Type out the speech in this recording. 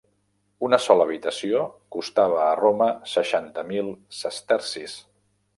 Una sola habitació costava a Roma seixanta mil sestercis.